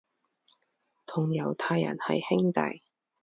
同猶太人係兄弟